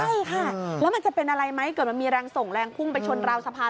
ใช่ค่ะแล้วมันจะเป็นอะไรไหมเกิดมันมีแรงส่งแรงพุ่งไปชนราวสะพาน